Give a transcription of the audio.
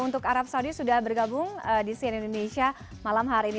untuk arab saudi sudah bergabung di sian indonesia malam hari ini